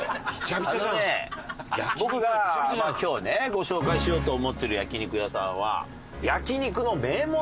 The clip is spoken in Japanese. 僕がまあ今日ねご紹介しようと思ってる焼肉屋さんは焼肉の名門。